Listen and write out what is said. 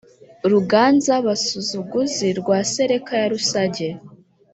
ruganza-basuzuguzi rwa sereka ya rusage